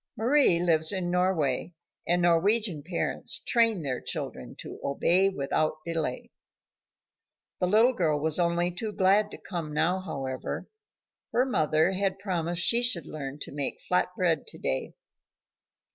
Mari lives in Norway, and Norwegian parents train their children to obey without delay. The little girl was only too glad to come now, however. Her mother had promised she should learn to make flat bread to day.